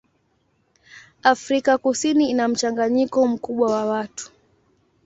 Afrika Kusini ina mchanganyiko mkubwa wa watu.